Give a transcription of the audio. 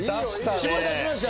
絞り出しました！